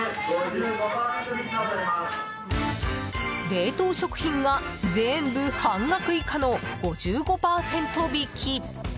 冷凍食品が全部、半額以下の５５％引き！